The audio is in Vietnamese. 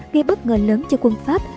gây bất ngờ lớn cho quân pháp